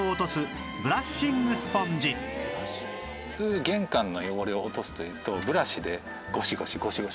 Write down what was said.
普通玄関の汚れを落とすというとブラシでゴシゴシゴシゴシ